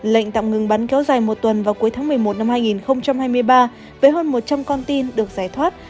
lệnh tạm ngừng bắn kéo dài một tuần vào cuối tháng một mươi một năm hai nghìn hai mươi ba với hơn một trăm linh con tin được giải thoát